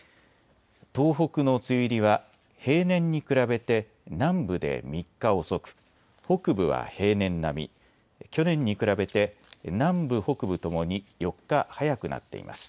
東北の梅雨入りは平年に比べて南部で３日遅く、北部は平年並み、去年に比べて南部、北部ともに４日早くなっています。